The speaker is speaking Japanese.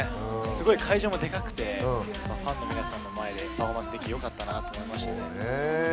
すごい会場もでかくてファンの皆さんの前でパフォーマンスできてよかったなと思いましたね。